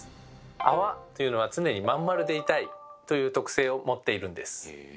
泡というのは「常にまん丸でいたい！」という特性を持っているんです。